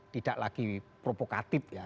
tidak lagi provokatif ya